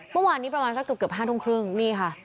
เมื่อวานนี้ประมาณสักเกือบ๕ทุ่มครึ่งนี่ค่ะ